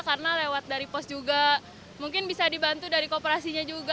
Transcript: karena lewat dari pos juga mungkin bisa dibantu dari kooperasinya juga